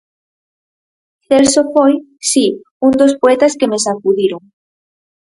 Celso foi, si, un dos poetas que me sacudiron.